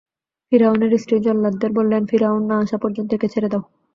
ফিরআউনের স্ত্রী জল্লাদদের বললেন, ফিরআউন না আসা পর্যন্ত একে ছেড়ে দাও।